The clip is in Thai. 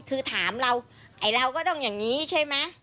คือถามเราไอ้เราก็ต้องอย่างนี้ใช่ไหม